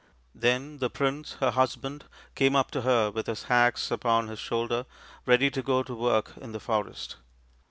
Then the prince, her husband, came up to her with his axe upon his shoulder, ready to go to work in the forest.